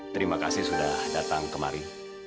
terima kasih sudah datang kemari